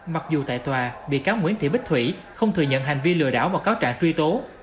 mặc dù tại tòa bị cáo nguyễn thị bích thủy không thừa nhận hành vi lừa đảo và cáo trạng truy tố